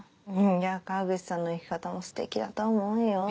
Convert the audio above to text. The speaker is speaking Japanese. いや河口さんの生き方もステキだと思うよ。